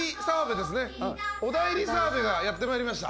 お内裏澤部がやってまいりました。